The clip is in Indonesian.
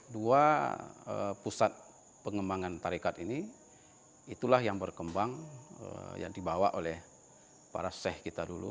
dua pusat pengembangan tarikat ini itulah yang berkembang yang dibawa oleh para sheikh kita dulu